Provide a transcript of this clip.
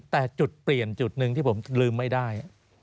แต่จุดเปลี่ยนจุดหนึ่งที่ผมลืมไม่ได้